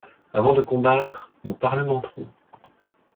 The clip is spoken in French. Avant de combattre, nous parlementerons.